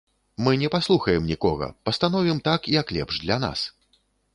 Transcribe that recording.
Мы не паслухаем нікога, пастановім так, як лепш для нас.